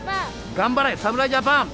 頑張れ侍ジャパン！